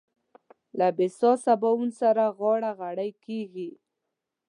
له بسيا سباوون سره غاړه غړۍ کېږي.